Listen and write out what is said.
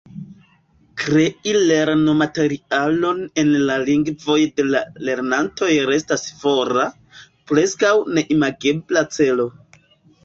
Krei lernomaterialon en la lingvoj de la lernantoj restas fora, preskaŭ neimagebla celo.